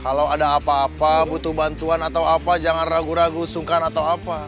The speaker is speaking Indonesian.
kalau ada apa apa butuh bantuan atau apa jangan ragu ragu sungkan atau apa